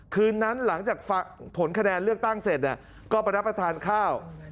คืนนั้นหลังจากผลคะแนนเลือกตั้งเสร็จก็ไปรับประทานข้าว